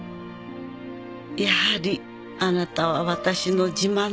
「やはりあなたは私の自慢の生徒です」